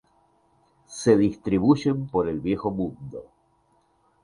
Se distribuyen por el Viejo Mundo.